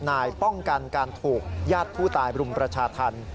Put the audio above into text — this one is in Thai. นายป้องกันการถูกญาติผู้ตายบรุมประชาธรรม